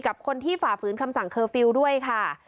กับคนที่ฝ่าฝืนคำสั่งเคอร์ฟิลล์ด้วยค่ะ